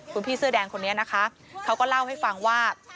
คุณพี่เสื้อแดงคนนี้นะคะเขาก็เล่าให้ฟังว่า